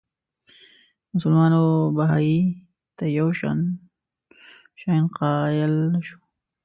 مسلمان او بهايي ته یو شان شأن قایل نه شو.